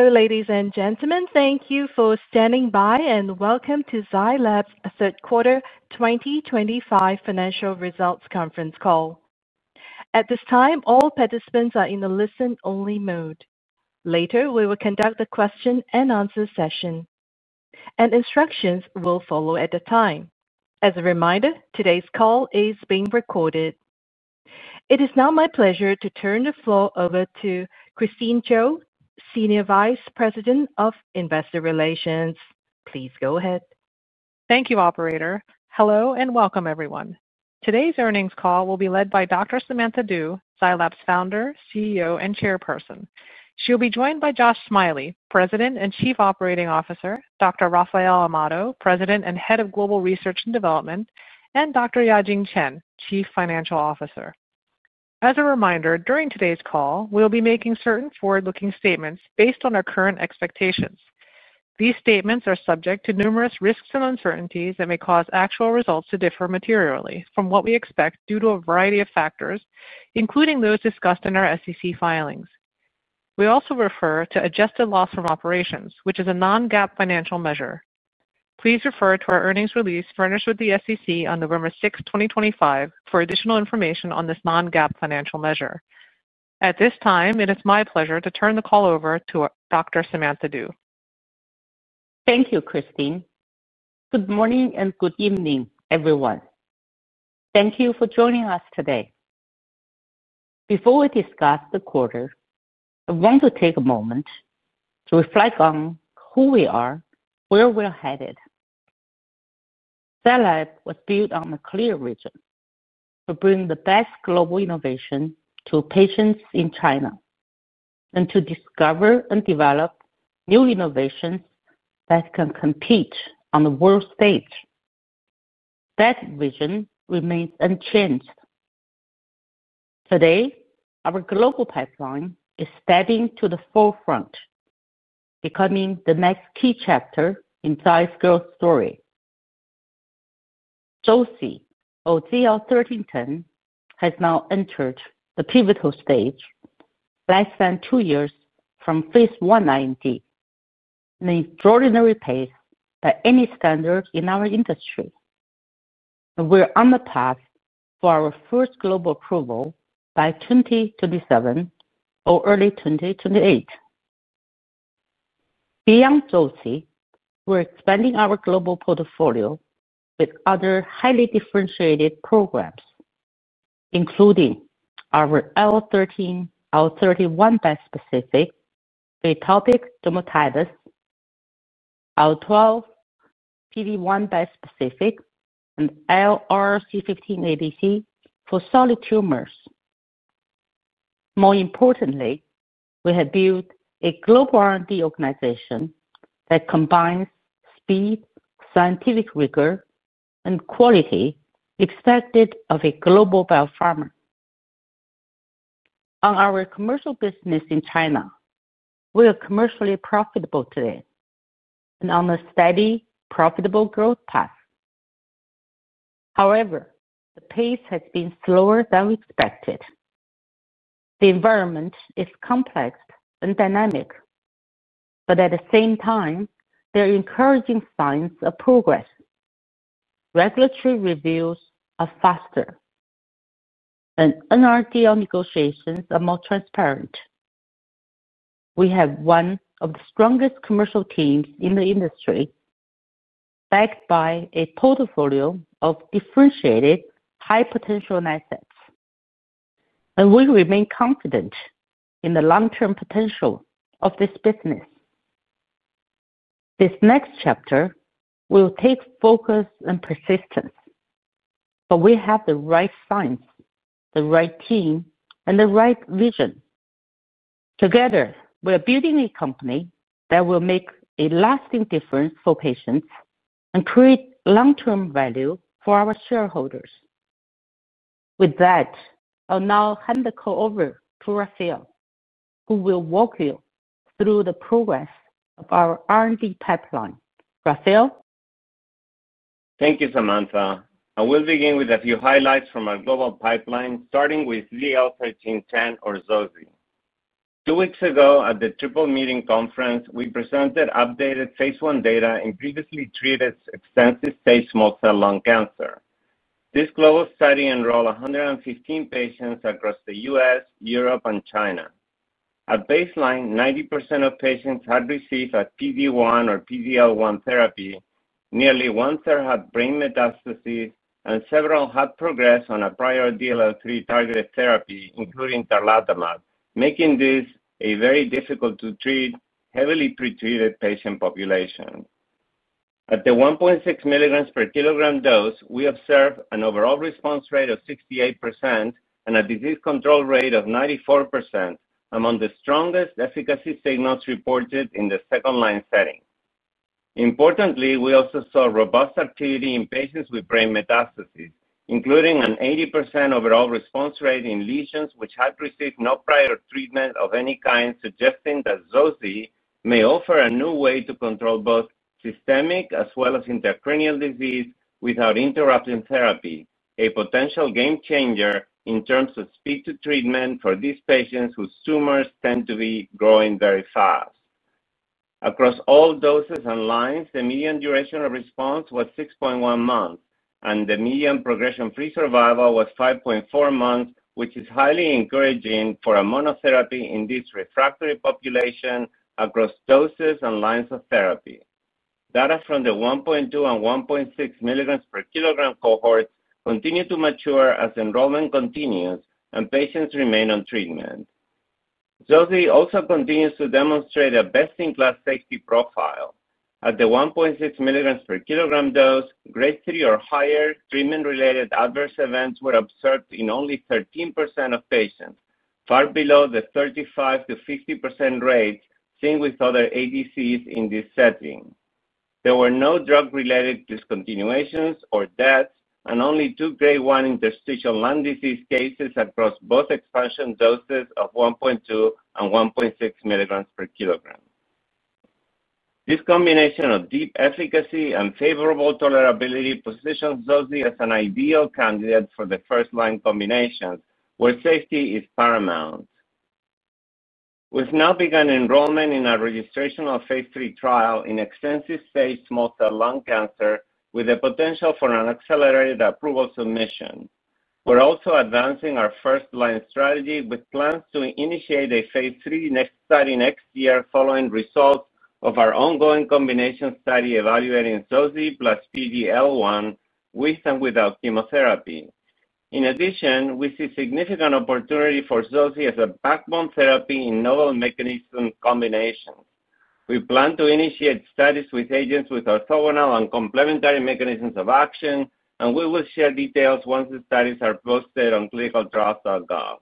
Hello, ladies and gentlemen. Thank you for standing by, and welcome to Zai Lab's Third Quarter 2025 Financial Results Conference call. At this time, all participants are in the listen-only mode. Later, we will conduct a question-and-answer session. Instructions will follow at that time. As a reminder, today's call is being recorded. It is now my pleasure to turn the floor over to Christine Chiou, Senior Vice President of Investor Relations. Please go ahead. Thank you, Operator. Hello and welcome, everyone. Today's earnings call will be led by Dr. Samantha Du, Zai Lab's founder, CEO, and Chairperson. She'll be joined by Josh Smiley, President and Chief Operating Officer; Dr. Rafael Amado, President and Head of Global Research and Development; and Dr. Yajing Chen, Chief Financial Officer. As a reminder, during today's call, we'll be making certain forward-looking statements based on our current expectations. These statements are subject to numerous risks and uncertainties that may cause actual results to differ materially from what we expect due to a variety of factors, including those discussed in our SEC filings. We also refer to adjusted loss from operations, which is a non-GAAP financial measure. Please refer to our earnings release furnished with the SEC on November 6, 2025, for additional information on this non-GAAP financial measure. At this time, it is my pleasure to turn the call over to Dr. Samantha Du. Thank you, Christine. Good morning and good evening, everyone. Thank you for joining us today. Before we discuss the quarter, I want to take a moment to reflect on who we are, where we're headed. Zai Lab was built on a clear vision to bring the best global innovation to patients in China and to discover and develop new innovations that can compete on the world stage. That vision remains unchanged. Today, our global pipeline is stepping to the forefront, becoming the next key chapter in Zai's growth story. Zoci, or ZL-1310, has now entered the pivotal stage, less than two years from phase I IND. An extraordinary pace by any standard in our industry. We are on the path for our first global approval by 2027 or early 2028. Beyond Zoci, we are expanding our global portfolio with other highly differentiated programs, including our IL-13, IL-31 bispecific, atopic dermatitis, IL-12. PD-1 bispecific, and LRRC15 ADC for solid tumors. More importantly, we have built a global R&D organization that combines speed, scientific rigor, and quality expected of a global biopharma. On our commercial business in China, we are commercially profitable today and on a steady, profitable growth path. However, the pace has been slower than we expected. The environment is complex and dynamic. At the same time, there are encouraging signs of progress. Regulatory reviews are faster, and NRDL negotiations are more transparent. We have one of the strongest commercial teams in the industry, backed by a portfolio of differentiated high-potential assets. We remain confident in the long-term potential of this business. This next chapter will take focus and persistence. We have the right science, the right team, and the right vision. Together, we're building a company that will make a lasting difference for patients and create long-term value for our shareholders. With that, I'll now hand the call over to Rafael, who will walk you through the progress of our R&D pipeline. Rafael? Thank you, Samantha. I will begin with a few highlights from our global pipeline, starting with ZL-1310, or Zoci. Two weeks ago, at the TRIPLE meeting conference, we presented updated phase I data in previously treated extensive stage small cell lung cancer. This global study enrolled 115 patients across the U.S., Europe, and China. At baseline, 90% of patients had received a PD-1 or PD-L1 therapy, nearly one-third had brain metastases, and several had progressed on a prior DLL3 targeted therapy, including tarlatamab, making this a very difficult-to-treat, heavily pretreated patient population. At the 1.6 milligrams per kilogram dose, we observed an overall response rate of 68% and a disease control rate of 94%, among the strongest efficacy signals reported in the second-line setting. Importantly, we also saw robust activity in patients with brain metastases, including an 80% overall response rate in lesions which had received no prior treatment of any kind, suggesting that Zoci may offer a new way to control both systemic as well as intracranial disease without interrupting therapy, a potential game changer in terms of speed to treatment for these patients whose tumors tend to be growing very fast. Across all doses and lines, the median duration of response was 6.1 months, and the median progression-free survival was 5.4 months, which is highly encouraging for a monotherapy in this refractory population across doses and lines of therapy. Data from the 1.2 and 1.6 milligrams per kilogram cohorts continue to mature as enrollment continues and patients remain on treatment. Zoci also continues to demonstrate a best-in-class safety profile. At the 1.6 milligrams per kilogram dose, grade 3 or higher treatment-related adverse events were observed in only 13% of patients, far below the 35%-50% rate seen with other ADCs in this setting. There were no drug-related discontinuations or deaths, and only two grade one interstitial lung disease cases across both expansion doses of 1.2 and 1.6 milligrams per kilogram. This combination of deep efficacy and favorable tolerability positions Zoci as an ideal candidate for the first-line combinations, where safety is paramount. We've now begun enrollment in our registration of phase III trial in extensive stage small cell lung cancer, with the potential for an accelerated approval submission. We're also advancing our first-line strategy with plans to initiate a phase III study next year following results of our ongoing combination study evaluating Zoci plus PD-L1 with and without chemotherapy. In addition, we see significant opportunity for Zoci as a backbone therapy in novel mechanism combinations. We plan to initiate studies with agents with orthogonal and complementary mechanisms of action, and we will share details once the studies are posted on clinicaltrials.gov.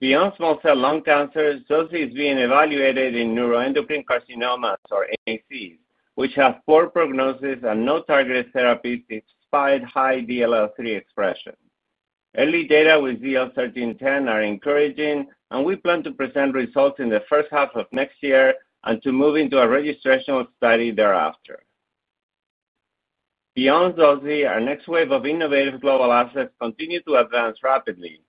Beyond small cell lung cancer, Zoci is being evaluated in neuroendocrine carcinomas, or NECs, which have poor prognosis and no targeted therapies despite high DLL3 expression. Early data with ZL-1310 are encouraging, and we plan to present results in the first half of next year and to move into a registration study thereafter. Beyond Zoci, our next wave of innovative global assets continues to advance rapidly.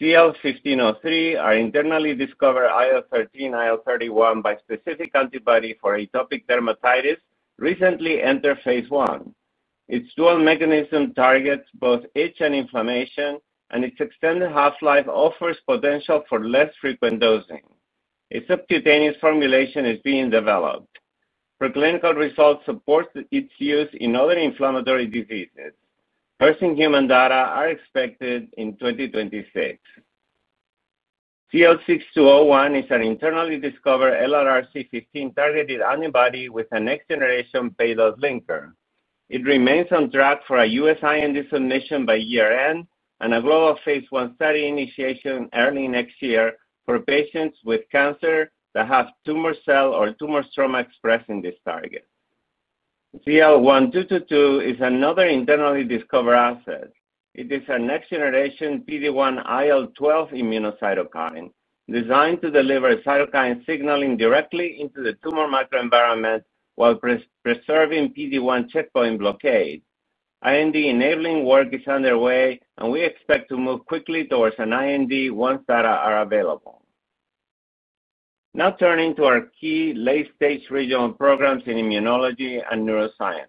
ZL-1503, our internally discovered IL-13, IL-31 bispecific antibody for atopic dermatitis, recently entered phase I. Its dual mechanism targets both itch and inflammation, and its extended half-life offers potential for less frequent dosing. A subcutaneous formulation is being developed. Preclinical results support its use in other inflammatory diseases. Nursing human data are expected in 2026. ZL-6201 is an internally discovered LRRC15 targeted antibody with a next-generation payload linker. It remains on track for a U.S. IND submission by year-end and a global phase I study initiation early next year for patients with cancer that have tumor cell or tumor stroma expressed in this target. ZL-1222 is another internally discovered asset. It is a next-generation PD-1 IL-12 immunocytokine, designed to deliver cytokine signaling directly into the tumor microenvironment while preserving PD-1 checkpoint blockade. IND enabling work is underway, and we expect to move quickly towards an IND once data are available. Now turning to our key late-stage regional programs in immunology and neuroscience.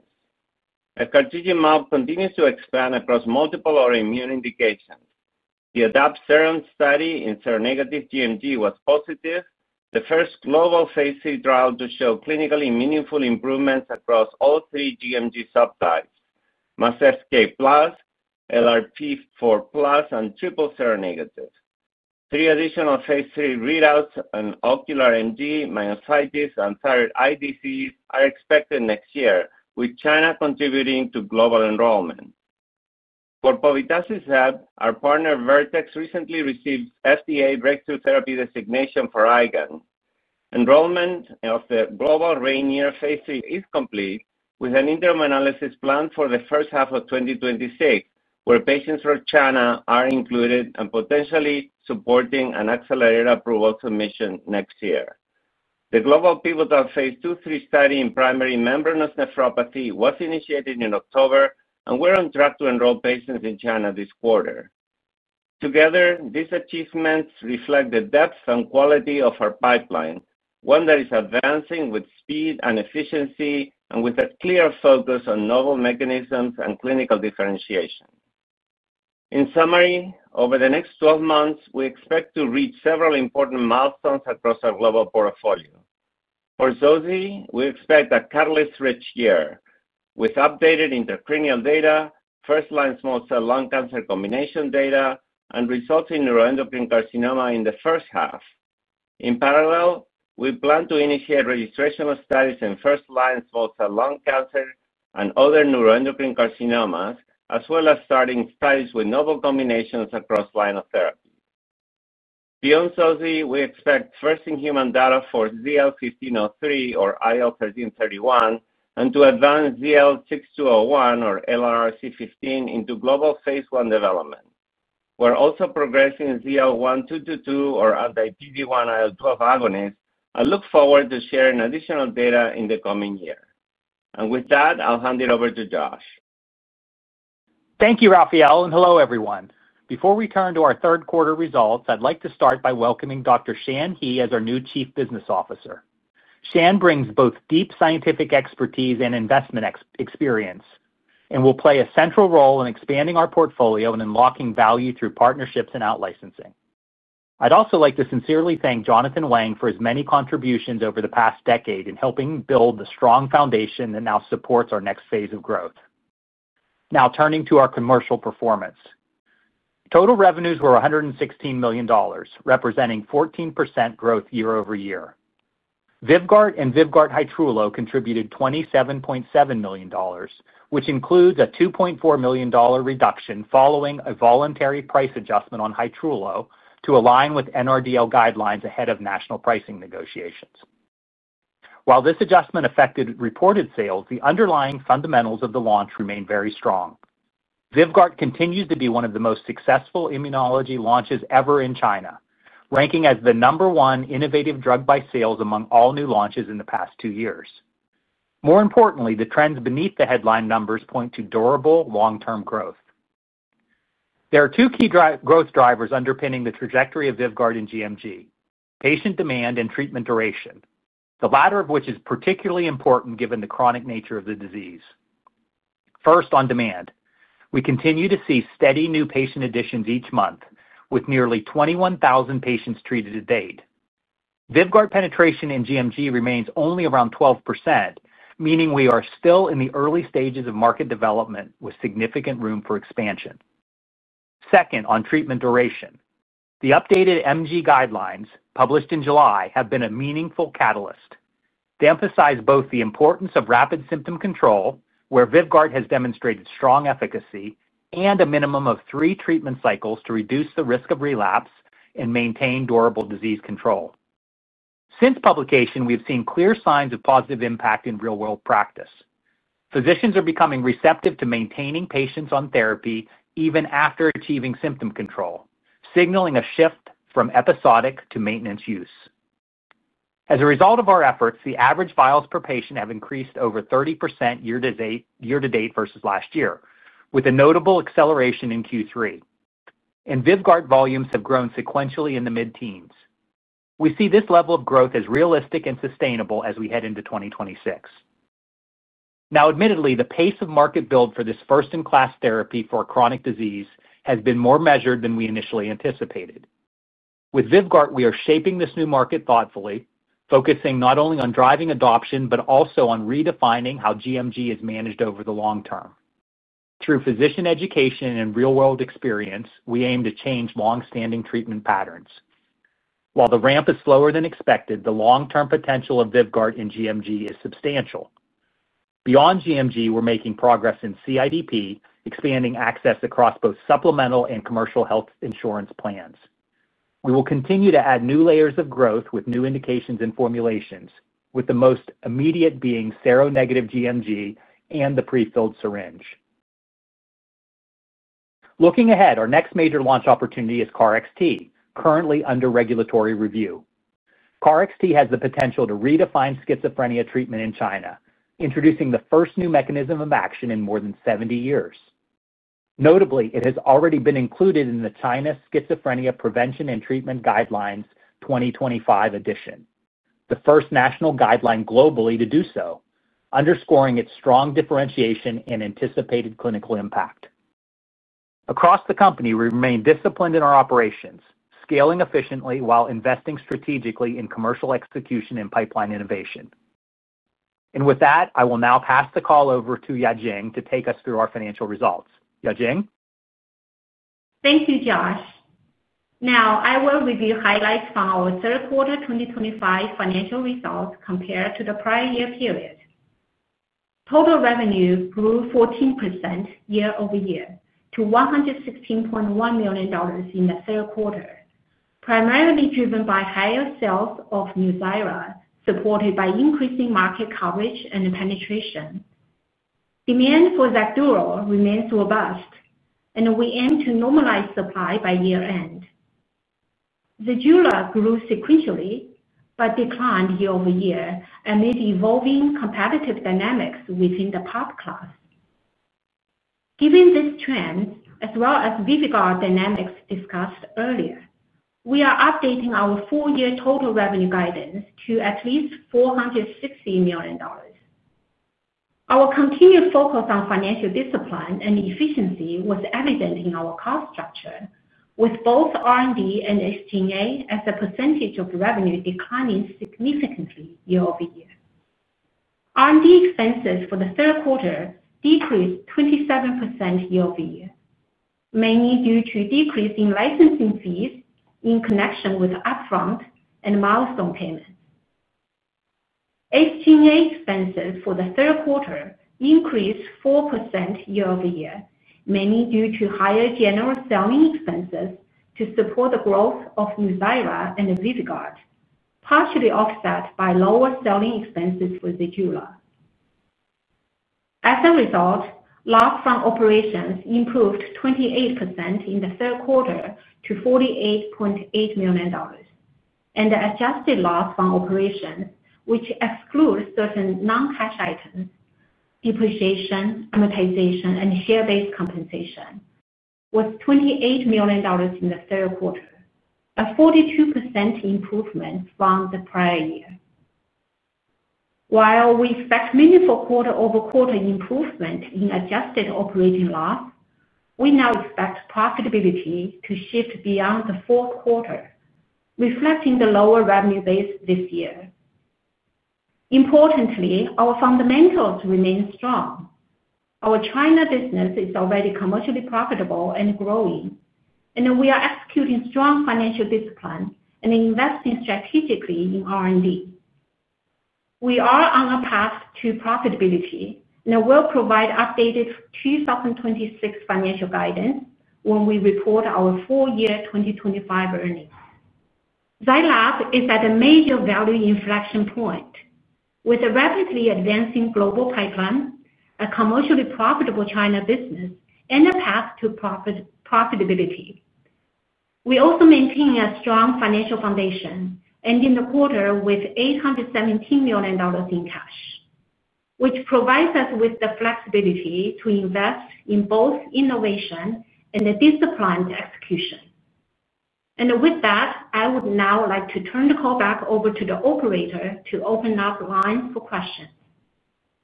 The CAR T pipeline continues to expand across multiple autoimmune indications. The ADAPT-SERON study in seronegative gMG was positive, the first global phase III trial to show clinically meaningful improvements across all three gMG subtypes: MuSK plus, LRP4 plus, and triple seronegative. Three additional phase III readouts in ocular MG, myositis, and thyroid eye disease are expected next year, with China contributing to global enrollment. For Inaxaplin, our partner Vertex recently received FDA breakthrough therapy designation for IgAN. Enrollment of the global RAINIER phase III is complete, with an interim analysis planned for the first half of 2026, where patients from China are included and potentially supporting an accelerated approval submission next year. The global pivotal phase II/III study in primary membranous nephropathy was initiated in October, and we're on track to enroll patients in China this quarter. Together, these achievements reflect the depth and quality of our pipeline, one that is advancing with speed and efficiency and with a clear focus on novel mechanisms and clinical differentiation. In summary, over the next 12 months, we expect to reach several important milestones across our global portfolio. For Zoci, we expect a catalyst-rich year with updated intracranial data, first-line small cell lung cancer combination data, and results in neuroendocrine carcinoma in the first half. In parallel, we plan to initiate registration studies in first-line small cell lung cancer and other neuroendocrine carcinomas, as well as starting studies with novel combinations across line of therapy. Beyond Zoci, we expect first-in-human data for ZL-1503, or IL-13/IL-31, and to advance ZL-6201, or LRRC15, into global phase I development. We're also progressing ZL-1222, or anti-PD-1 IL-12 agonist, and look forward to sharing additional data in the coming year. With that, I'll hand it over to Josh. Thank you, Rafael, and hello, everyone. Before we turn to our third-quarter results, I'd like to start by welcoming Dr. Shan He as our new Chief Business Officer. Shan brings both deep scientific expertise and investment experience and will play a central role in expanding our portfolio and in unlocking value through partnerships and outlicensing. I'd also like to sincerely thank Jonathan Wang for his many contributions over the past decade in helping build the strong foundation that now supports our next phase of growth. Now turning to our commercial performance. Total revenues were $116 million, representing 14% growth year-over-year. VYVGART and VYVGART Hytrulo contributed $27.7 million, which includes a $2.4 million reduction following a voluntary price adjustment on Hytrulo to align with NRDL guidelines ahead of national pricing negotiations. While this adjustment affected reported sales, the underlying fundamentals of the launch remain very strong. VYVGART continues to be one of the most successful immunology launches ever in China, ranking as the number one innovative drug by sales among all new launches in the past two years. More importantly, the trends beneath the headline numbers point to durable, long-term growth. There are two key growth drivers underpinning the trajectory of VYVGART and gMG: patient demand and treatment duration, the latter of which is particularly important given the chronic nature of the disease. First, on demand. We continue to see steady new patient additions each month, with nearly 21,000 patients treated to date. VYVGART penetration in gMG remains only around 12%, meaning we are still in the early stages of market development with significant room for expansion. Second, on treatment duration. The updated MG guidelines, published in July, have been a meaningful catalyst. They emphasize both the importance of rapid symptom control, where VYVGART has demonstrated strong efficacy, and a minimum of three treatment cycles to reduce the risk of relapse and maintain durable disease control. Since publication, we have seen clear signs of positive impact in real-world practice. Physicians are becoming receptive to maintaining patients on therapy even after achieving symptom control, signaling a shift from episodic to maintenance use. As a result of our efforts, the average vials per patient have increased over 30% year to date versus last year, with a notable acceleration in Q3. VYVGART volumes have grown sequentially in the mid-teens. We see this level of growth as realistic and sustainable as we head into 2026. Now, admittedly, the pace of market build for this first-in-class therapy for chronic disease has been more measured than we initially anticipated. With VYVGART, we are shaping this new market thoughtfully, focusing not only on driving adoption but also on redefining how gMG is managed over the long term. Through physician education and real-world experience, we aim to change longstanding treatment patterns. While the ramp is slower than expected, the long-term potential of VYVGART and gMG is substantial. Beyond gMG, we're making progress in CIDP, expanding access across both supplemental and commercial health insurance plans. We will continue to add new layers of growth with new indications and formulations, with the most immediate being seronegative gMG and the prefilled syringe. Looking ahead, our next major launch opportunity is KarXT, currently under regulatory review. KarXT has the potential to redefine schizophrenia treatment in China, introducing the first new mechanism of action in more than 70 years. Notably, it has already been included in the China Schizophrenia Prevention and Treatment Guidelines 2025 edition, the first national guideline globally to do so, underscoring its strong differentiation and anticipated clinical impact. Across the company, we remain disciplined in our operations, scaling efficiently while investing strategically in commercial execution and pipeline innovation. With that, I will now pass the call over to Yajing to take us through our financial results. Yajing? Thank you, Josh. Now, I will review highlights from our third-quarter 2025 financial results compared to the prior year period. Total revenue grew 14% year-over-year to $116.1 million in the third quarter, primarily driven by higher sales of Nuzyra, supported by increasing market coverage and penetration. Demand for XACDURO remains robust, and we aim to normalize supply by year-end. ZEJULA grew sequentially but declined year-over-year amid evolving competitive dynamics within the PARP class. Given this trend, as well as VYVGART dynamics discussed earlier, we are updating our full-year total revenue guidance to at least $460 million. Our continued focus on financial discipline and efficiency was evident in our cost structure, with both R&D and SG&A as a percentage of revenue declining significantly year-over-year. R&D expenses for the third quarter decreased 27% year-over-year, mainly due to a decrease in licensing fees in connection with upfront and milestone payments. SG&A expenses for the third quarter increased 4% year-over-year, mainly due to higher general selling expenses to support the growth of Nuzyra and VYVGART, partially offset by lower selling expenses for ZEJULA. As a result, loss from operations improved 28% in the third quarter to $48.8 million, and the adjusted loss from operations, which excludes certain non-cash items, depreciation, amortization, and share-based compensation, was $28 million in the third quarter, a 42% improvement from the prior year. While we expect meaningful quarter-over-quarter improvement in adjusted operating loss, we now expect profitability to shift beyond the fourth quarter, reflecting the lower revenue base this year. Importantly, our fundamentals remain strong. Our China business is already commercially profitable and growing, and we are executing strong financial discipline and investing strategically in R&D. We are on a path to profitability, and we'll provide updated 2026 financial guidance when we report our four-year 2025 earnings. Zai Lab is at a major value inflection point. With a rapidly advancing global pipeline, a commercially profitable China business, and a path to profitability, we also maintain a strong financial foundation, ending the quarter with $817 million in cash, which provides us with the flexibility to invest in both innovation and disciplined execution. I would now like to turn the call back over to the operator to open up the line for questions.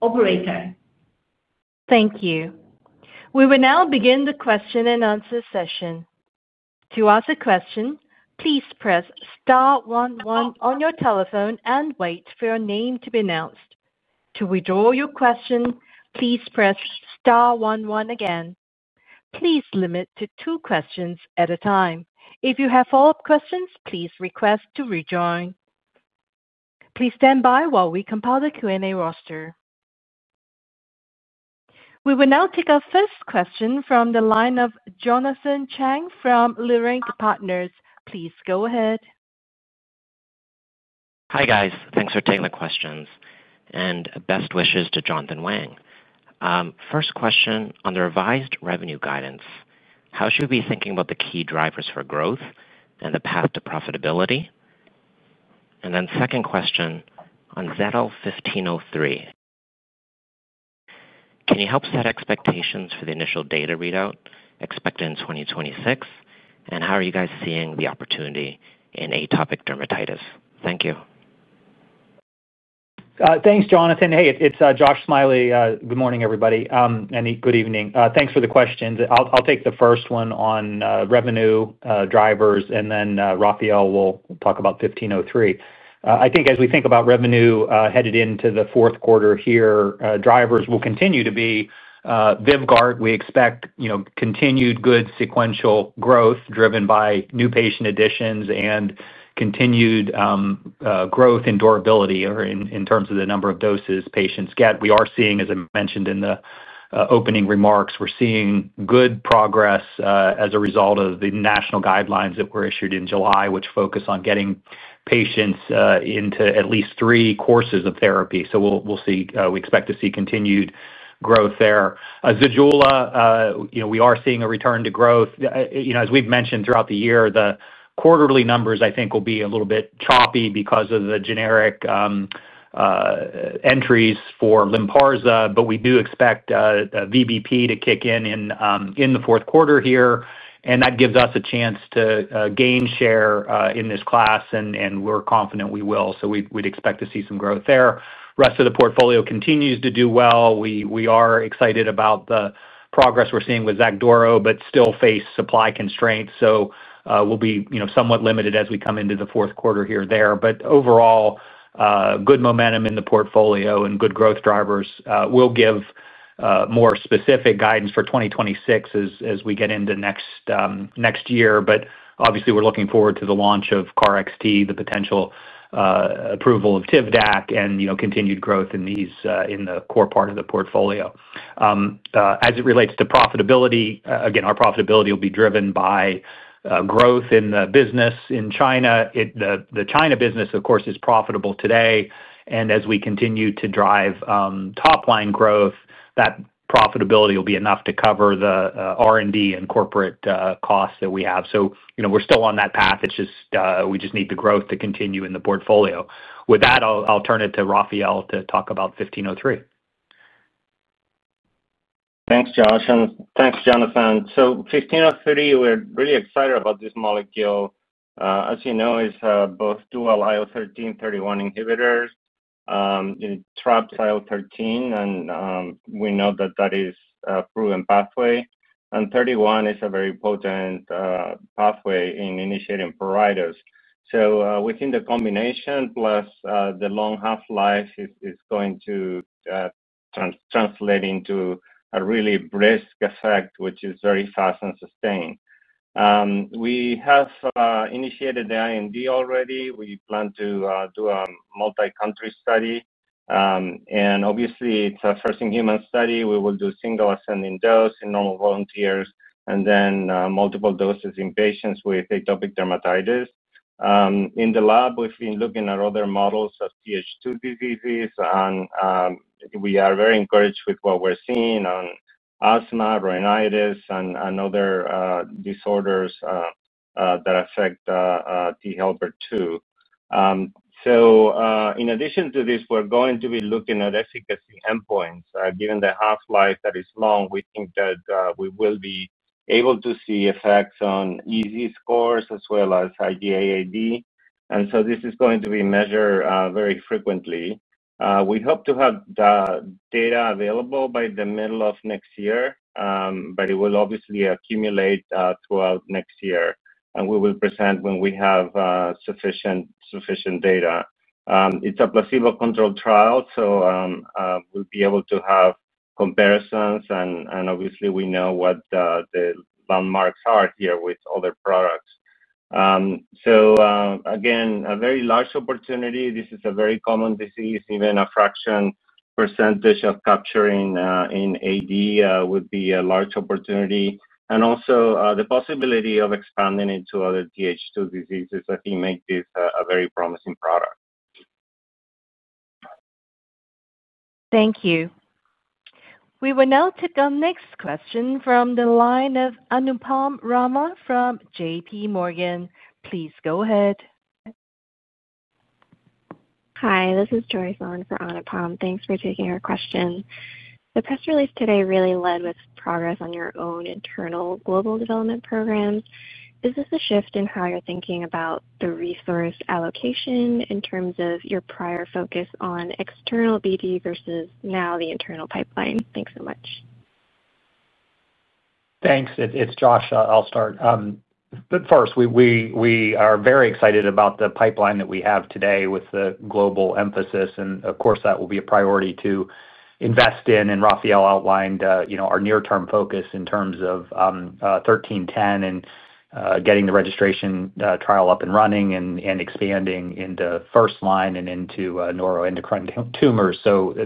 Operator. Thank you. We will now begin the question and answer session. To ask a question, please press *11 on your telephone and wait for your name to be announced. To withdraw your question, please press *11 again. Please limit to two questions at a time. If you have follow-up questions, please request to rejoin. Please stand by while we compile the Q&A roster. We will now take our first question from the line of Jonathan Chang from Leerink Partners. Please go ahead. Hi guys. Thanks for taking the questions, and best wishes to Jonathan Wang. First question on the revised revenue guidance. How should we be thinking about the key drivers for growth and the path to profitability? Second question on ZL-1503. Can you help set expectations for the initial data readout expected in 2026? How are you guys seeing the opportunity in atopic dermatitis? Thank you. Thanks, Jonathan. Hey, it's Josh Smiley. Good morning, everybody, and good evening. Thanks for the questions. I'll take the first one on revenue drivers, and then Rafael will talk about 1503. I think as we think about revenue headed into the fourth quarter here, drivers will continue to be VYVGART. We expect continued good sequential growth driven by new patient additions and continued growth in durability or in terms of the number of doses patients get. We are seeing, as I mentioned in the opening remarks, we're seeing good progress as a result of the national guidelines that were issued in July, which focus on getting patients into at least three courses of therapy. We expect to see continued growth there. ZEJULA, we are seeing a return to growth. As we've mentioned throughout the year, the quarterly numbers, I think, will be a little bit choppy because of the generic entries for Lynparza, but we do expect VBP to kick in in the fourth quarter here, and that gives us a chance to gain share in this class, and we're confident we will. We'd expect to see some growth there. The rest of the portfolio continues to do well. We are excited about the progress we're seeing with XACDURO but still face supply constraints, so we'll be somewhat limited as we come into the fourth quarter here or there. Overall, good momentum in the portfolio and good growth drivers will give more specific guidance for 2026 as we get into next year. Obviously, we're looking forward to the launch of KarXT, the potential approval of TIVDAK, and continued growth in the core part of the portfolio. As it relates to profitability, again, our profitability will be driven by growth in the business in China. The China business, of course, is profitable today, and as we continue to drive top-line growth, that profitability will be enough to cover the R&D and corporate costs that we have. We're still on that path. We just need the growth to continue in the portfolio. With that, I'll turn it to Rafael to talk about 1503. Thanks, Josh. Thanks, Jonathan. 1503, we're really excited about this molecule. As you know, it's both dual IL-13 and 31 inhibitors. It traps IL-13, and we know that that is a proven pathway. 31 is a very potent pathway in initiating pruritus. Within the combination, plus the long half-life, it's going to translate into a really brisk effect, which is very fast and sustained. We have initiated the IND already. We plan to do a multi-country study. Obviously, it's a first-in-human study. We will do single ascending dose in normal volunteers and then multiple doses in patients with atopic dermatitis. In the lab, we've been looking at other models of Th2 diseases, and we are very encouraged with what we're seeing on asthma, rhinitis, and other disorders that affect T helper 2. In addition to this, we're going to be looking at efficacy endpoints. Given the half-life that is long, we think that we will be able to see effects on EASI scores as well as IgA/ID. This is going to be measured very frequently. We hope to have the data available by the middle of next year, but it will obviously accumulate throughout next year, and we will present when we have sufficient data. It is a placebo-controlled trial, so we will be able to have comparisons, and obviously, we know what the landmarks are here with other products. A very large opportunity. This is a very common disease. Even a fraction % of capturing in AD would be a large opportunity. Also, the possibility of expanding into other Th2 diseases, I think, makes this a very promising product. Thank you. We will now take our next question from the line of Anupam Rama from JPMorgan. Please go ahead. Hi, this is Joyce Owen for Anupam. Thanks for taking our question. The press release today really led with progress on your own internal global development programs. Is this a shift in how you're thinking about the resource allocation in terms of your prior focus on external BD versus now the internal pipeline? Thanks so much. Thanks. It's Josh. I'll start. First, we are very excited about the pipeline that we have today with the global emphasis, and of course, that will be a priority to invest in. Rafael outlined our near-term focus in terms of 1310 and getting the registration trial up and running and expanding into first-line and into neuroendocrine tumors.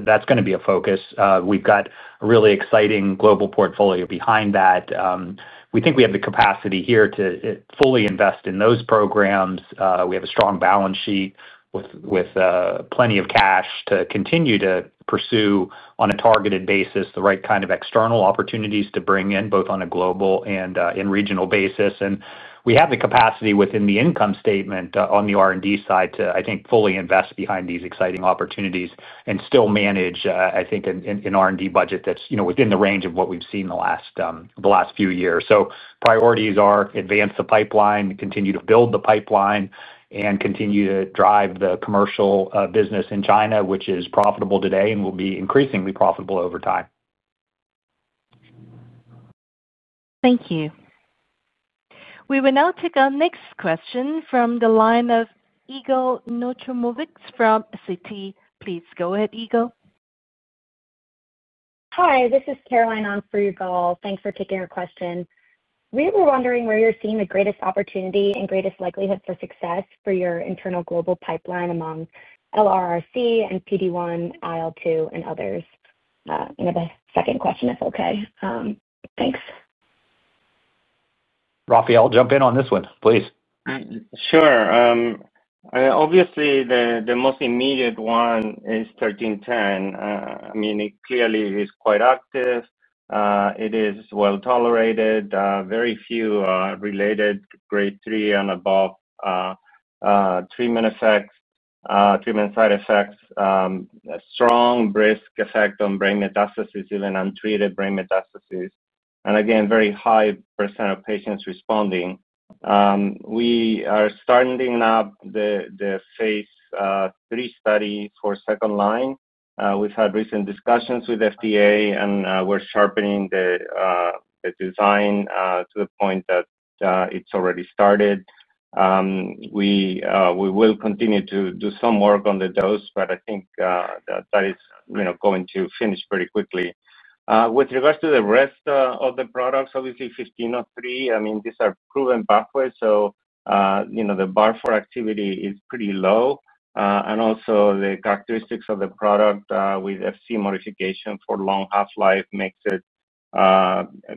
That's going to be a focus. We've got a really exciting global portfolio behind that. We think we have the capacity here to fully invest in those programs. We have a strong balance sheet with plenty of cash to continue to pursue on a targeted basis the right kind of external opportunities to bring in both on a global and regional basis. We have the capacity within the income statement on the R&D side to, I think, fully invest behind these exciting opportunities and still manage, I think, an R&D budget that is within the range of what we have seen the last few years. Priorities are advance the pipeline, continue to build the pipeline, and continue to drive the commercial business in China, which is profitable today and will be increasingly profitable over time. Thank you. We will now take our next question from the line of Yigal Nochomovitz from Citi. Please go ahead, Yigal. Hi, this is Caroline on for Yigal. Thanks for taking our question. We were wondering where you're seeing the greatest opportunity and greatest likelihood for success for your internal global pipeline among LRRC15 and PD-1, IL-12, and others. The second question, if okay. Thanks. Rafael, jump in on this one, please. Sure. Obviously, the most immediate one is 1310. I mean, it clearly is quite active. It is well tolerated. Very few related grade three and above treatment effects, treatment side effects. Strong, brisk effect on brain metastases, even untreated brain metastases. Again, very high % of patients responding. We are starting up the phase III study for second line. We've had recent discussions with FDA, and we're sharpening the design to the point that it's already started. We will continue to do some work on the dose, but I think that is going to finish pretty quickly. With regards to the rest of the products, obviously, 1503, I mean, these are proven pathways. The bar for activity is pretty low. Also, the characteristics of the product with FC modification for long half-life makes it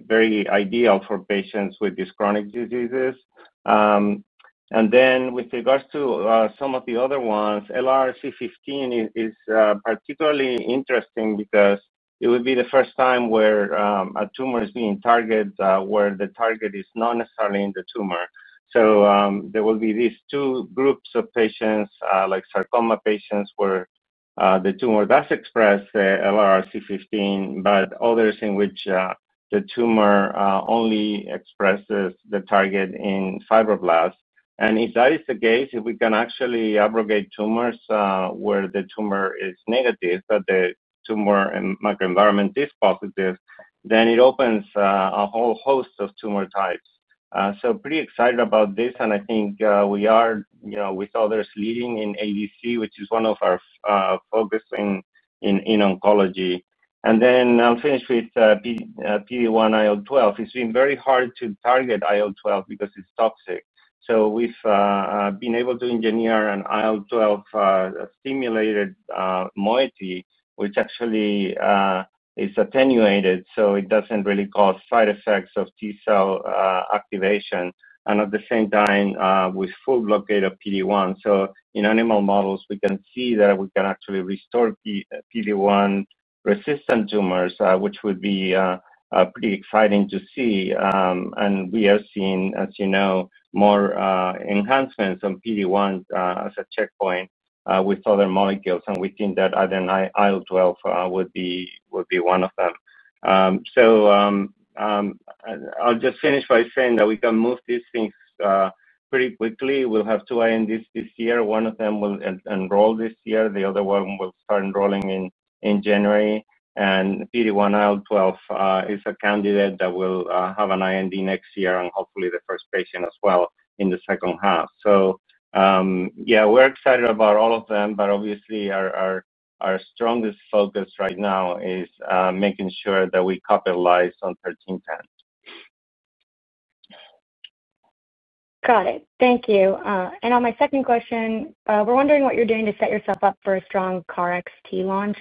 very ideal for patients with these chronic diseases. With regards to some of the other ones, LRRC15 is particularly interesting because it would be the first time where a tumor is being targeted where the target is not necessarily in the tumor. There will be these two groups of patients, like sarcoma patients, where the tumor does express LRRC15, but others in which the tumor only expresses the target in fibroblasts. If that is the case, if we can actually aggregate tumors where the tumor is negative but the tumor microenvironment is positive, then it opens a whole host of tumor types. Pretty excited about this, and I think we are, with others, leading in ADC, which is one of our focus in oncology. I'll finish with PD-1, IL-12. It's been very hard to target IL-12 because it's toxic. We've been able to engineer an IL-12-stimulated moiety, which actually. Is attenuated, so it doesn't really cause side effects of T cell activation. At the same time, we have full blockade of PD-1. In animal models, we can see that we can actually restore PD-1-resistant tumors, which would be pretty exciting to see. We are seeing, as you know, more enhancements on PD-1 as a checkpoint with other molecules, and we think that IL-12 would be one of them. I'll just finish by saying that we can move these things pretty quickly. We'll have two INDs this year. One of them will enroll this year. The other one will start enrolling in January. PD-1, IL-12 is a candidate that will have an IND next year and hopefully the first patient as well in the second half. Yeah, we're excited about all of them, but obviously. Our strongest focus right now is making sure that we capitalize on ZL-1310. Got it. Thank you. On my second question, we're wondering what you're doing to set yourself up for a strong KarXT launch,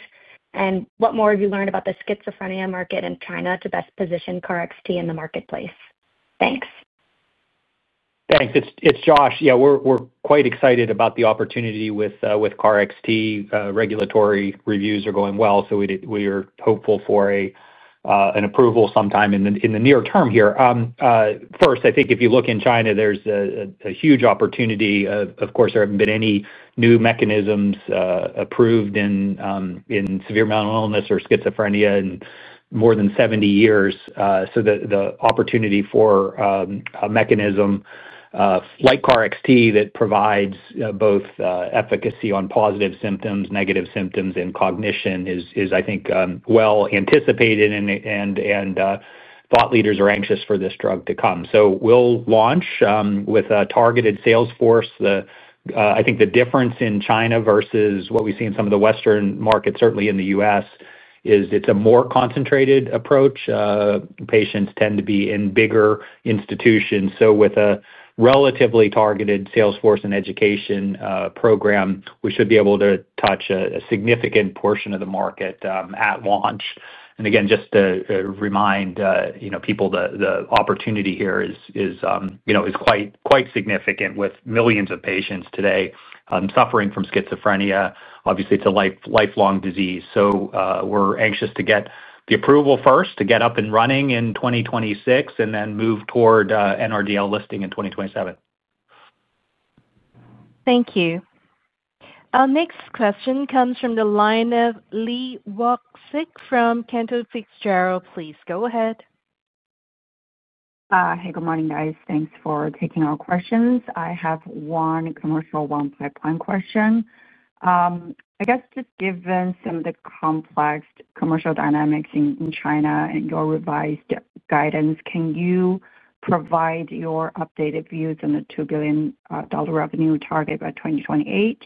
and what more have you learned about the schizophrenia market in China to best position KarXT in the marketplace? Thanks. Thanks. It's Josh. Yeah, we're quite excited about the opportunity with KarXT. Regulatory reviews are going well, so we are hopeful for an approval sometime in the near term here. First, I think if you look in China, there's a huge opportunity. Of course, there haven't been any new mechanisms approved in severe mental illness or schizophrenia in more than 70 years. The opportunity for a mechanism like KarXT that provides both efficacy on positive symptoms, negative symptoms, and cognition is, I think, well anticipated, and thought leaders are anxious for this drug to come. We'll launch with a targeted sales force. I think the difference in China versus what we see in some of the Western markets, certainly in the U.S., is it's a more concentrated approach. Patients tend to be in bigger institutions. With a relatively targeted sales force and education program, we should be able to touch a significant portion of the market at launch. Again, just to remind people, the opportunity here is quite significant with millions of patients today suffering from schizophrenia. Obviously, it is a lifelong disease. We are anxious to get the approval first, to get up and running in 2026, and then move toward NRDL listing in 2027. Thank you. Our next question comes from the line of Li Watsek from Cantor. Please go ahead. Hi, good morning, guys. Thanks for taking our questions. I have one commercial, one pipeline question. I guess just given some of the complex commercial dynamics in China and your revised guidance, can you provide your updated views on the $2 billion revenue target by 2028?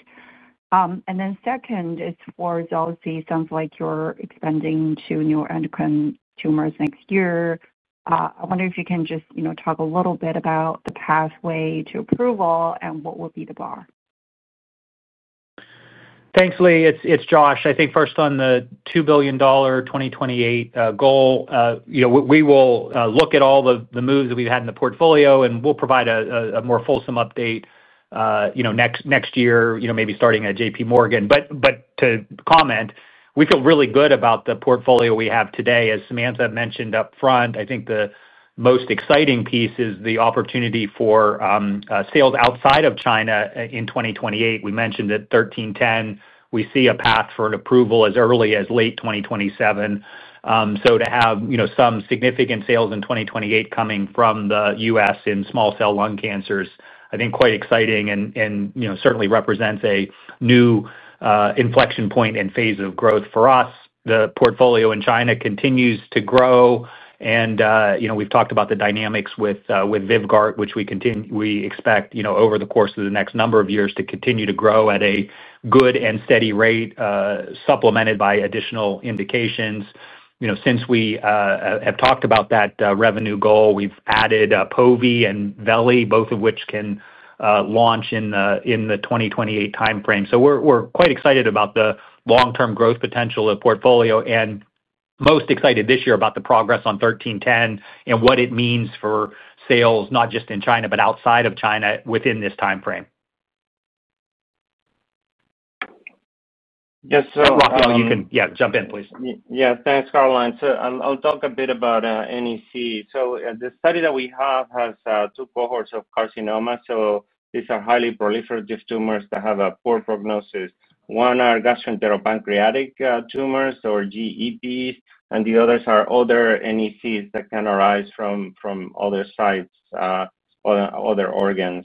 The second is for ZL-1310. Sounds like you're expanding to neuroendocrine tumors next year. I wonder if you can just talk a little bit about the pathway to approval and what will be the bar. Thanks, Li. It's Josh. I think first on the $2 billion 2028 goal, we will look at all the moves that we've had in the portfolio, and we'll provide a more fulsome update next year, maybe starting at J.P. Morgan. To comment, we feel really good about the portfolio we have today. As Samantha mentioned upfront, I think the most exciting piece is the opportunity for sales outside of China in 2028. We mentioned that 1310, we see a path for an approval as early as late 2027. To have some significant sales in 2028 coming from the U.S. in small cell lung cancers, I think quite exciting and certainly represents a new inflection point and phase of growth for us. The portfolio in China continues to grow. We have talked about the dynamics with VYVGART, which we expect over the course of the next number of years to continue to grow at a good and steady rate, supplemented by additional indications. Since we have talked about that revenue goal, we have added POVI and Velli, both of which can launch in the 2028 timeframe. We are quite excited about the long-term growth potential of the portfolio and most excited this year about the progress on 1310 and what it means for sales, not just in China, but outside of China within this timeframe. Yes. Rafael, you can, yeah, jump in, please. Yeah. Thanks, Caroline. I'll talk a bit about NEC. The study that we have has two cohorts of carcinomas. These are highly proliferative tumors that have a poor prognosis. One are gastroenteropancreatic tumors or GEPs, and the others are other NECs that can arise from other sites, other organs.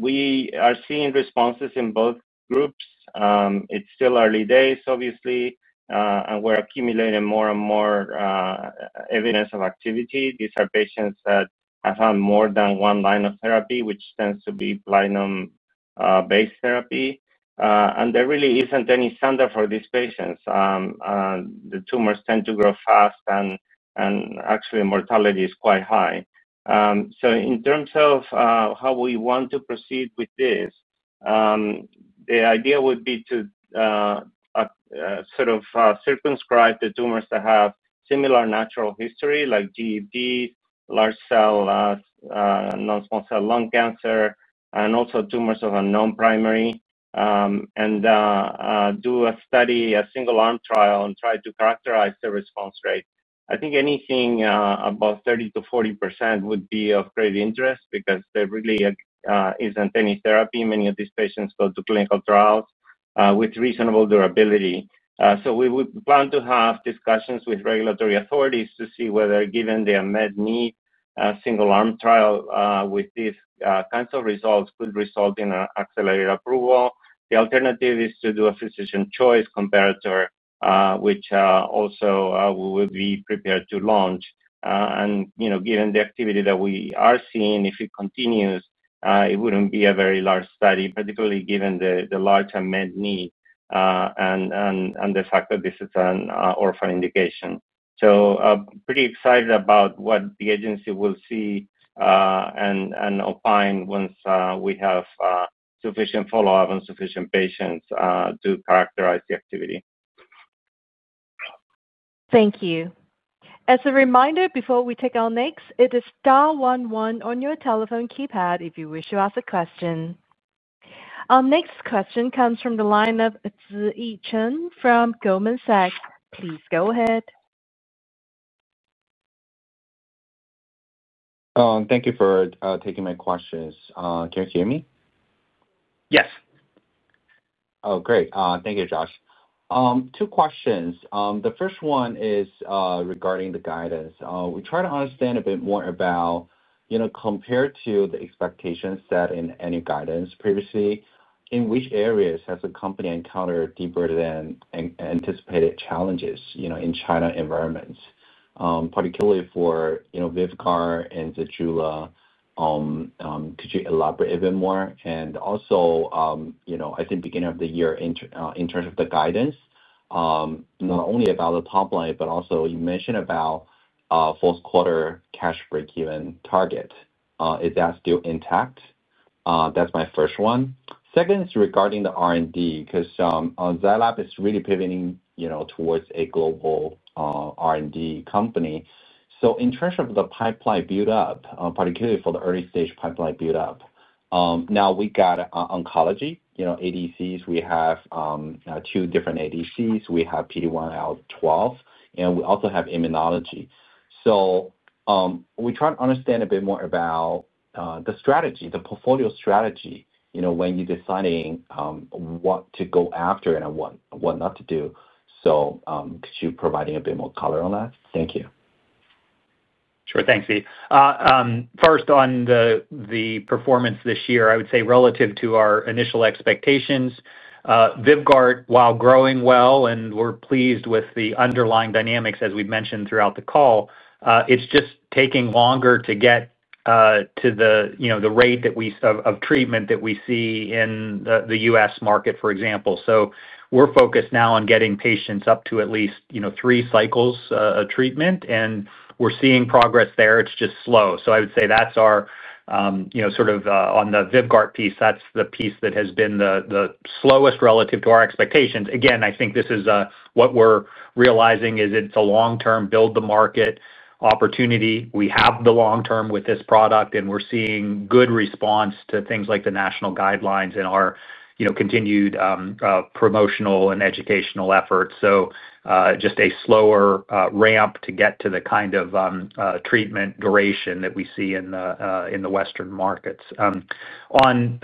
We are seeing responses in both groups. It's still early days, obviously, and we're accumulating more and more evidence of activity. These are patients that have had more than one line of therapy, which tends to be platinum-based therapy. There really isn't any standard for these patients. The tumors tend to grow fast, and actually, mortality is quite high. In terms of how we want to proceed with this, the idea would be to sort of circumscribe the tumors that have similar natural history like GEPs, large cell. Non-small cell lung cancer, and also tumors of unknown primary. Do a study, a single-arm trial, and try to characterize the response rate. I think anything above 30%-40% would be of great interest because there really isn't any therapy. Many of these patients go to clinical trials with reasonable durability. We would plan to have discussions with regulatory authorities to see whether, given their med need, a single-arm trial with these kinds of results could result in an accelerated approval. The alternative is to do a physician choice comparator, which also we would be prepared to launch. Given the activity that we are seeing, if it continues, it wouldn't be a very large study, particularly given the large med need. The fact that this is an orphan indication. Pretty excited about what the agency will see. Opine once we have sufficient follow-up and sufficient patients to characterize the activity. Thank you. As a reminder, before we take our next, it is star 11 on your telephone keypad if you wish to ask a question. Our next question comes from the line of Ruichun from Goldman Sachs. Please go ahead. Thank you for taking my questions. Can you hear me? Yes. Oh, great. Thank you, Josh. Two questions. The first one is regarding the guidance. We try to understand a bit more about. Compared to the expectations set in any guidance previously, in which areas has the company encountered deeper than anticipated challenges in China environments, particularly for VYVGART and ZEJULA? Could you elaborate a bit more? I think beginning of the year, in terms of the guidance. Not only about the top line, but also you mentioned about. Fourth-quarter cash break-even target. Is that still intact? That's my first one. Second is regarding the R&D because Zai Lab is really pivoting towards a global. R&D company. In terms of the pipeline build-up, particularly for the early-stage pipeline build-up, now we got oncology, ADCs. We have. Two different ADCs. We have PD-1, IL-12, and we also have immunology. We try to understand a bit more about. The strategy, the portfolio strategy, when you're deciding what to go after and what not to do. Could you provide a bit more color on that? Thank you. Sure. Thanks, Li. First, on the performance this year, I would say relative to our initial expectations. VYVGART, while growing well, and we're pleased with the underlying dynamics, as we've mentioned throughout the call, it's just taking longer to get to the rate of treatment that we see in the U.S. market, for example. We are focused now on getting patients up to at least three cycles of treatment, and we're seeing progress there. It's just slow. I would say that's our sort of on the VYVGART piece, that's the piece that has been the slowest relative to our expectations. Again, I think this is what we're realizing is it's a long-term build-the-market opportunity. We have the long term with this product, and we're seeing good response to things like the national guidelines and our continued promotional and educational efforts. Just a slower ramp to get to the kind of treatment duration that we see in the Western markets. On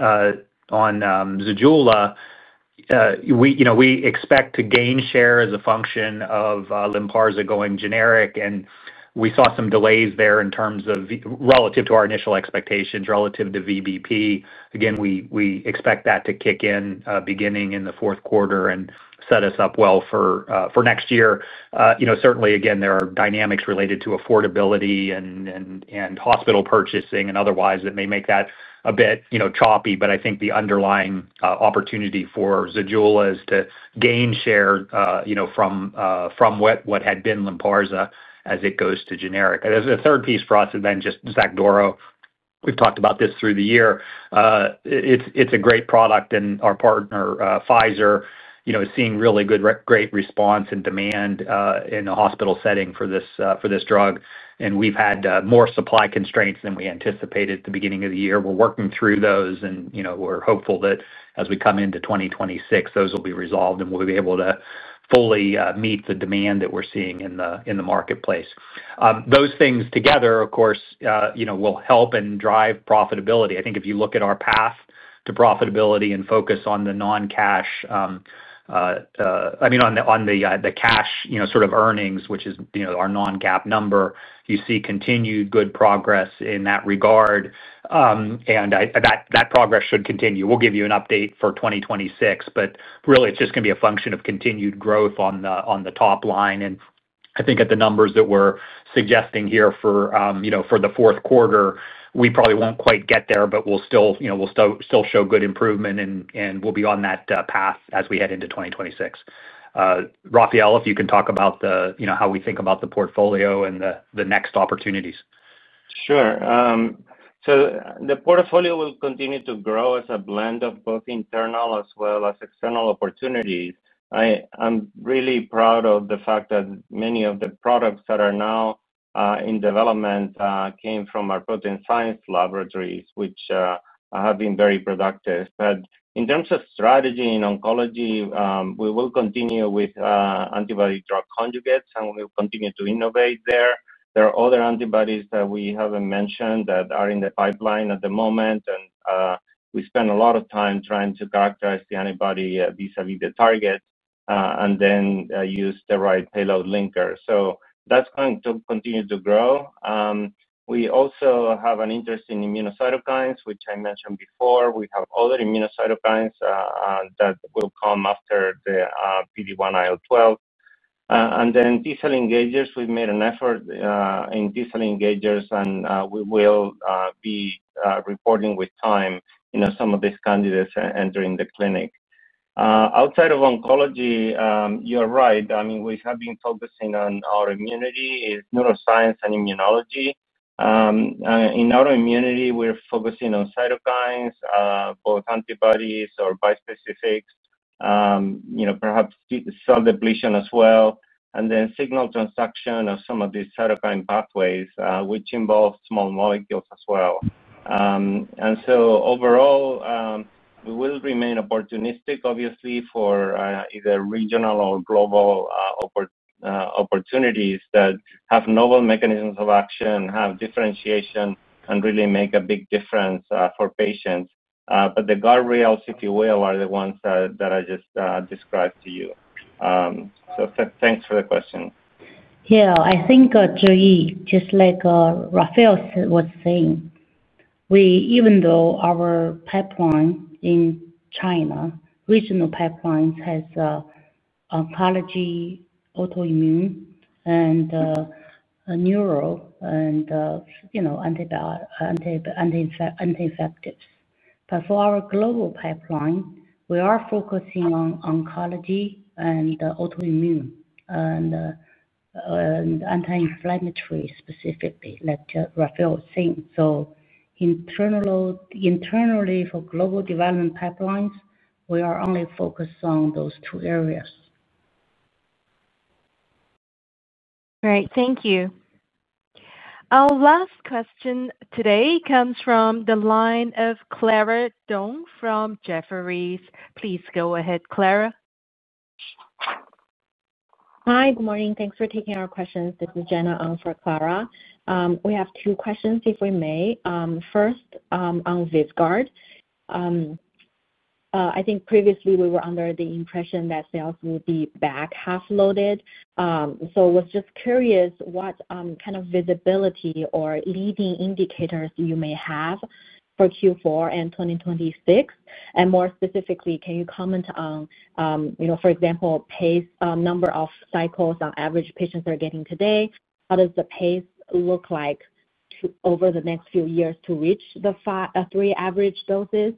ZEJULA, we expect to gain share as a function of Lynparza going generic, and we saw some delays there relative to our initial expectations relative to VBP. Again, we expect that to kick in beginning in the fourth quarter and set us up well for next year. Certainly, again, there are dynamics related to affordability and hospital purchasing and otherwise that may make that a bit choppy, but I think the underlying opportunity for ZEJULA is to gain share from what had been Lynparza as it goes to generic. The third piece for us is then just XACDURO. We've talked about this through the year. It's a great product, and our partner, Pfizer, is seeing really great response and demand in the hospital setting for this drug. We have had more supply constraints than we anticipated at the beginning of the year. We are working through those, and we are hopeful that as we come into 2026, those will be resolved and we will be able to fully meet the demand that we are seeing in the marketplace. Those things together, of course, will help and drive profitability. I think if you look at our path to profitability and focus on the non-cash—I mean, on the cash sort of earnings, which is our non-cap number—you see continued good progress in that regard. That progress should continue. We will give you an update for 2026, but really, it is just going to be a function of continued growth on the top line. I think at the numbers that we are suggesting here for the fourth quarter, we probably will not quite get there, but we will still. Show good improvement, and we'll be on that path as we head into 2026. Rafael, if you can talk about how we think about the portfolio and the next opportunities. Sure. The portfolio will continue to grow as a blend of both internal as well as external opportunities. I'm really proud of the fact that many of the products that are now in development came from our protein science laboratories, which have been very productive. In terms of strategy in oncology, we will continue with antibody-drug conjugates, and we will continue to innovate there. There are other antibodies that we haven't mentioned that are in the pipeline at the moment, and we spend a lot of time trying to characterize the antibody vis-à-vis the target and then use the right payload linker. That's going to continue to grow. We also have an interest in immunocytokines, which I mentioned before. We have other immunocytokines that will come after the PD-1, IL-12. T-cell engagers, we've made an effort in T-cell engagers, and we will. Be reporting with time some of these candidates entering the clinic. Outside of oncology, you're right. I mean, we have been focusing on autoimmunity, neuroscience, and immunology. In autoimmunity, we're focusing on cytokines, both antibodies or bispecifics. Perhaps cell depletion as well, and then signal transduction of some of these cytokine pathways, which involve small molecules as well. Overall, we will remain opportunistic, obviously, for either regional or global opportunities that have novel mechanisms of action, have differentiation, and really make a big difference for patients. The guardrails, if you will, are the ones that I just described to you. Thanks for the question. Yeah. I think, Ji, just like Rafael was saying. Even though our pipeline in China, regional pipelines has oncology, autoimmune, and neuro, and anti-infectious. For our global pipeline, we are focusing on oncology and autoimmune and anti-inflammatory specifically, like Rafael was saying. Internally for global development pipelines, we are only focused on those two areas. Great. Thank you. Our last question today comes from the line of Clara Dong from Jefferies. Please go ahead, Clara. Hi. Good morning. Thanks for taking our questions. This is Jenna for Clara. We have two questions, if we may. First, on VYVGART. I think previously we were under the impression that sales will be back half-loaded. I was just curious what kind of visibility or leading indicators you may have for Q4 and 2026. More specifically, can you comment on, for example, pace, number of cycles on average patients are getting today? How does the pace look like over the next few years to reach the three average doses?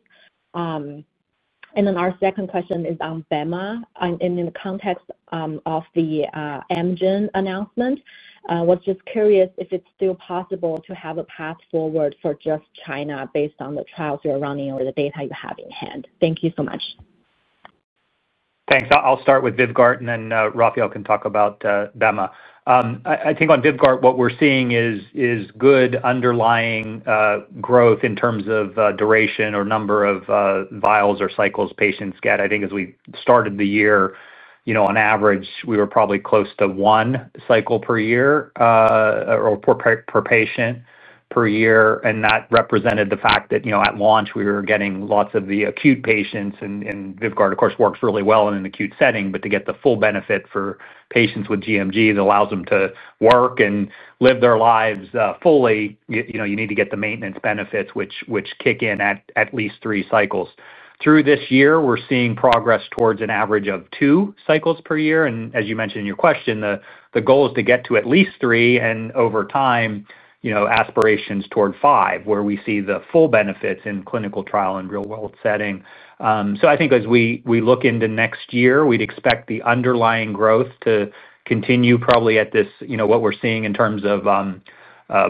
Our second question is on BEMA in the context of the Amgen announcement. I was just curious if it's still possible to have a path forward for just China based on the trials you're running or the data you have in hand. Thank you so much. Thanks. I'll start with VYVGART, and then Rafael can talk about BEMA. I think on VYVGART, what we're seeing is good underlying growth in terms of duration or number of vials or cycles patients get. I think as we started the year, on average, we were probably close to one cycle per year, or per patient per year. That represented the fact that at launch, we were getting lots of the acute patients. VYVGART, of course, works really well in an acute setting, but to get the full benefit for patients with gMG that allows them to work and live their lives fully, you need to get the maintenance benefits, which kick in at least three cycles. Through this year, we're seeing progress towards an average of two cycles per year. As you mentioned in your question, the goal is to get to at least three, and over time, aspirations toward five, where we see the full benefits in clinical trial and real-world setting. I think as we look into next year, we'd expect the underlying growth to continue probably at what we're seeing in terms of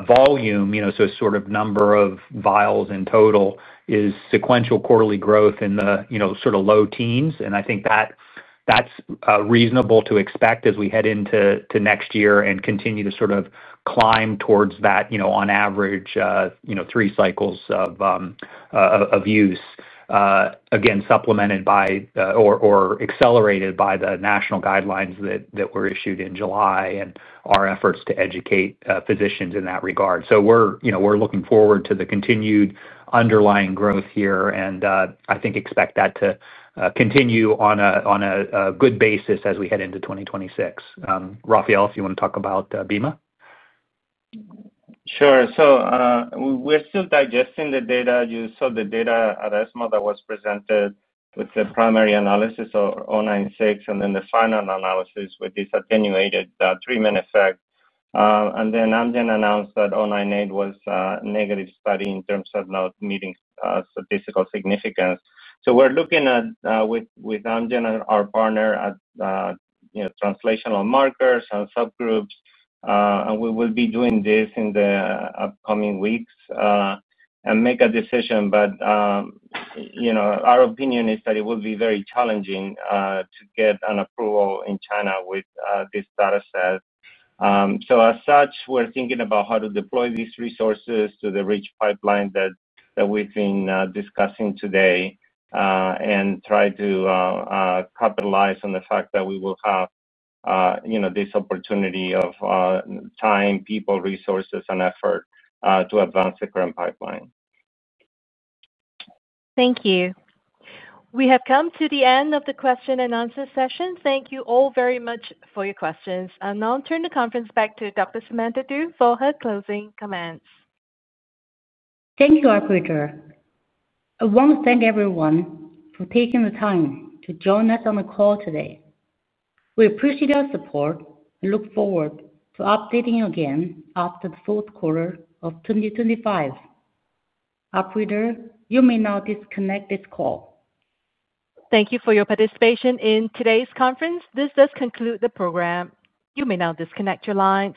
volume, so sort of number of vials in total, is sequential quarterly growth in the sort of low teens. I think that's reasonable to expect as we head into next year and continue to sort of climb towards that on average, three cycles of use, again, supplemented by or accelerated by the national guidelines that were issued in July and our efforts to educate physicians in that regard. We're looking forward to the continued underlying growth here, and I think expect that to continue on a good basis as we head into 2026. Rafael, if you want to talk about BEMA? Sure. We're still digesting the data. You saw the data at ESMO that was presented with the primary analysis of 096, and then the final analysis with this attenuated treatment effect. Amgen announced that 098 was a negative study in terms of not meeting statistical significance. We're looking with Amgen, our partner, at translational markers and subgroups. We will be doing this in the upcoming weeks and make a decision. Our opinion is that it will be very challenging to get an approval in China with this data set. As such, we're thinking about how to deploy these resources to the rich pipeline that we've been discussing today and try to capitalize on the fact that we will have this opportunity of time, people, resources, and effort to advance the current pipeline. Thank you. We have come to the end of the question and answer session. Thank you all very much for your questions. I'll turn the conference back to Dr. Samantha Du for her closing comments. Thank you, Arpujo. I want to thank everyone for taking the time to join us on the call today. We appreciate your support and look forward to updating again after the fourth quarter of 2025. Arpujo, you may now disconnect this call. Thank you for your participation in today's conference. This does conclude the program. You may now disconnect your lines.